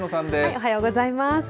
おはようございます。